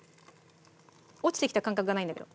落ちてきた感覚がないんだけど。